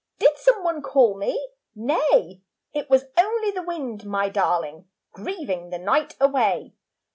Did some one call me?' Nay, It was only the wind, my darling, Grieving the night away.